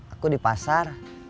aku di pasar